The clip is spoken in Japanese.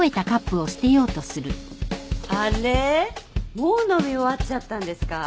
もう飲み終わっちゃったんですか？